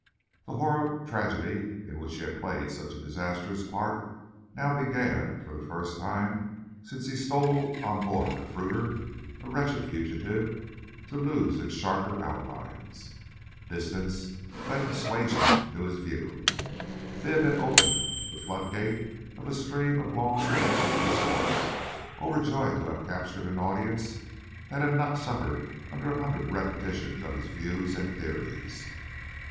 The horrid tragedy in which he had played such a disastrous part now began, for the first time since he stole on board the fruiter, a wretched fugitive, to lose its sharper outlines. Distance lent assuagement to his view. Bibb had opened the flood gates of a stream of long dammed discourse, overjoyed to have captured an audience that had not suffered under a hundred repetitions of his views and theories.